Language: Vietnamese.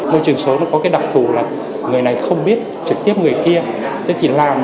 môi trường số có đặc thù là người này không biết trực tiếp người kia